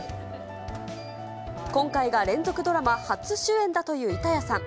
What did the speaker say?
今回が連続ドラマ初主演だという板谷さん。